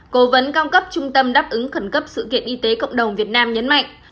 cố vấn cao cấp trung tâm đáp ứng khẩn cấp sự kiện y tế cộng đồng việt nam nhấn mạnh